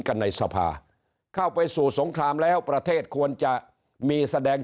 กันในสภาเข้าไปสู่สงครามแล้วประเทศควรจะมีแสดง